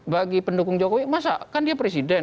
bagi pendukung jokowi masa kan dia presiden